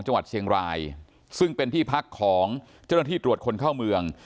จังหวัดเชียงรายซึ่งเป็นที่พักของเจ้าหน้าที่ตรวจคนเข้าเมือง